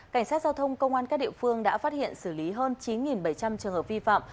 cảnh sát giao thông công an các địa phương đã phát hiện xử lý hơn chín bảy trăm linh trường hợp vi phạm